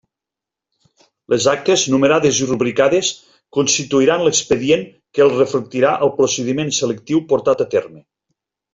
Les actes, numerades i rubricades constituiran l'expedient que reflectirà el procediment selectiu portat a terme.